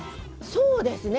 そうですね